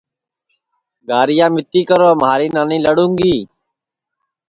گاہرِیا متی کرو مھاری نانی لڑُوں گی